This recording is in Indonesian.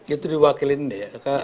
itu diwakilin dia ya